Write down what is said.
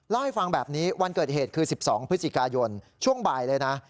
เล่าให้ฟังแบบนี้วันเกิดเหตุคือ๑๒พฤศจิกายนช่วงบ่ายเลยนะ